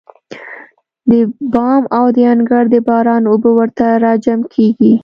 د بام او د انګړ د باران اوبه ورته راجمع کېږي.